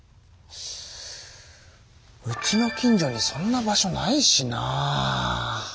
うちの近所にそんな場所ないしな？